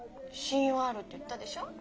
「信用ある」って言ったでしょ。